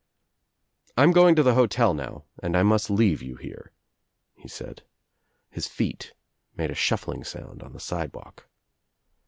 "I'm going to the hotel now and I must leave you here," he said. His feet made a shuffling sound on the sidewalk.